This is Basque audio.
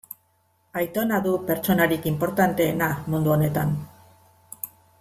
Aitona du pertsonarik inportanteena mundu honetan.